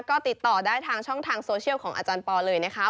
ก็ติดต่อได้ทางช่องทางโซเชียลของอาจารย์ปอเลยนะคะ